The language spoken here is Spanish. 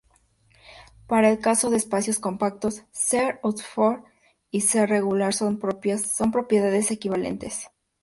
Para el caso de espacios compactos, ser Hausdorff y ser regular son propiedades equivalentes.